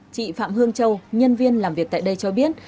chị phạm hương châu nhân viên làm việc tại đây cho biết